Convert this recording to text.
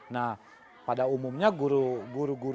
nah pada umumnya guru guru guru sendiri